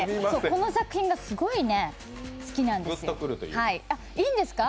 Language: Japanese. この作品がすごい好きなんですよ。